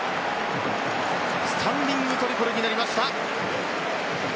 スタンディングトリプルになりました。